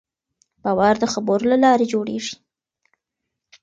باور د خبرو له لارې جوړېږي.